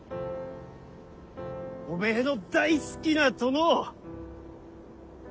おめえの大好きな殿を。